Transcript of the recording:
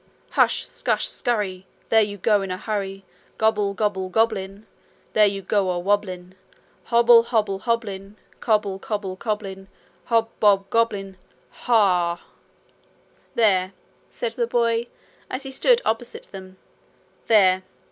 'Hush! scush! scurry! There you go in a hurry! Gobble! gobble! goblin! There you go a wobblin'; Hobble, hobble, hobblin' Cobble! cobble! cobblin'! Hob bob goblin! Huuuuuh!' 'There!' said the boy, as he stood still opposite them. 'There!